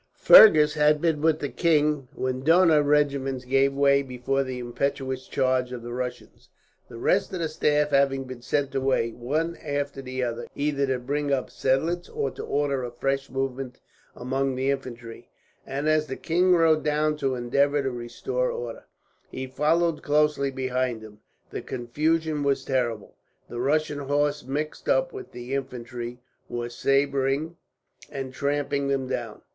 Fergus had been with the king, when the Dohna regiments gave way before the impetuous charge of the Russians; the rest of the staff having been sent away, one after the other, either to bring up Seidlitz or to order a fresh movement among the infantry; and as the king rode down to endeavour to restore order, he followed closely behind him. The confusion was terrible. The Russian horse, mixed up with the infantry, were sabring and trampling them down.